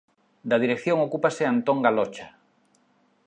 Da dirección ocúpase Antón Galocha.